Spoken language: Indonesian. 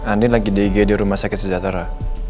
andi lagi di ig di rumah sakit sejahtera